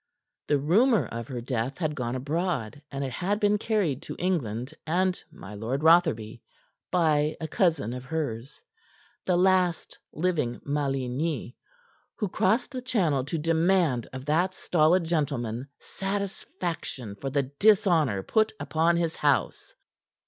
The rumor of her death had gone abroad, and it had been carried to England and my Lord Rotherby by a cousin of hers the last living Maligny who crossed the channel to demand of that stolid gentleman satisfaction for the dishonor put upon his house.